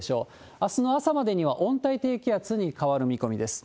あすの朝までには温帯低気圧に変わる見込みです。